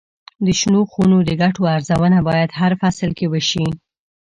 د شنو خونو د ګټو ارزونه باید هر فصل کې وشي.